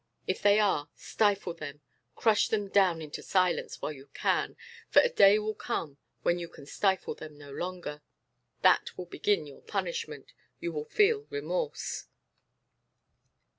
If they are, stifle them, crush them down into silence while you can; for a day will come when you can stifle them no longer. That will begin your punishment. You will feel remorse."